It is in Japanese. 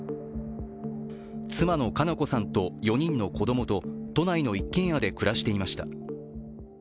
妻の佳菜子さんと４人の子供と都内の一軒家で暮らしていました。